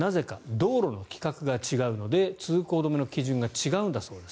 道路の規格が違うので通行止めの基準が違うんだそうです。